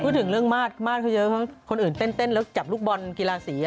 เพื่อถึงเรื่องมาสเมื่อคนอื่นเต้นแล้วจับลูกบอลกีฬาศรี